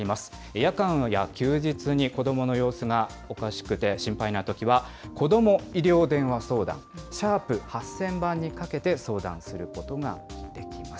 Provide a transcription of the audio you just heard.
夜間や休日に子どもの様子がおかしくて心配なときは、こども医療電話相談、＃８０００番にかけて相談することができます。